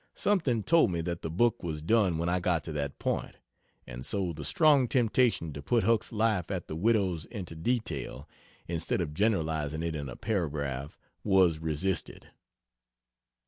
Something told me that the book was done when I got to that point and so the strong temptation to put Huck's life at the Widow's into detail, instead of generalizing it in a paragraph was resisted.